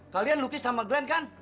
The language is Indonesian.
kalian lukis sama glenn kan